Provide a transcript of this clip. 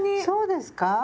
そうですか？